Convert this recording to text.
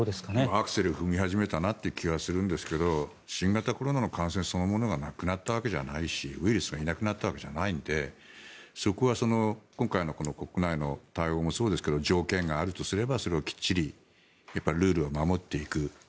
アクセルを踏み始めたなという気はするんですけど新型コロナの感染そのものがなくなったわけじゃないしウイルスがいなくなったわけじゃないのでそこは今回の国内の対応もそうですけど条件があるとすればそれをきっちりルールを守っていく。